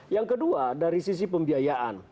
yang kedua dari sisi pembiayaan